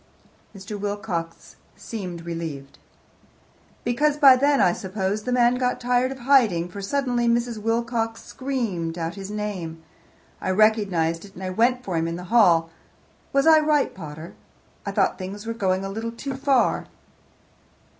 Mr. Wilcox seemed relieved. "Because by then I suppose the man got tired of hiding, for suddenly Mrs. Wilcox screamed out his name. I recognized it, and I went for him in the hall. Was I right, pater? I thought things were going a little too far."